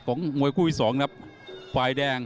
ที่โอตะตาคุมะ